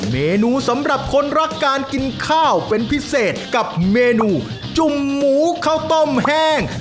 เมนูสำหรับคนรักการกินข้าวเป็นพิเศษกับเมนูจุ่มหมูข้าวต้มแห้ง